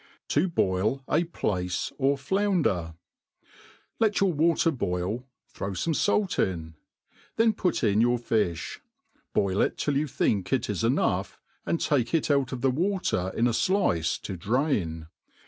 • To boil a Plaice or Flounder^ LET your wat^r boil, throw fome fait in ; then^ put\in ^'our fifli; boil it till you think it is enough, and take it out of the water in a flice to drain.